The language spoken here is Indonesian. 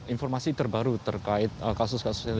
informasi terbaru terkait kasus kasusnya